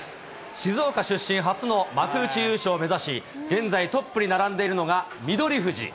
静岡出身初の幕内優勝を目指し、現在、トップに並んでいるのが翠富士。